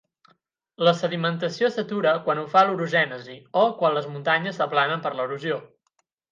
La sedimentació s'atura quan ho fa l'orogènesi, o quan les muntanyes s'aplanen per l'erosió.